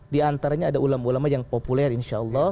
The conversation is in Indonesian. diantaranya ada ulama ulama yang populer insya allah